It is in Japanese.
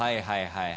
はい。